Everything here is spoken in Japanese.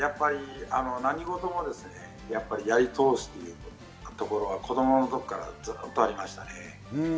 何事もやり通すというところが子供の頃からずっとありましたね。